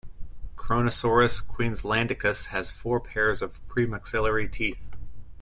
"Kronosaurus queenslandicus" has four pairs of premaxillary teeth.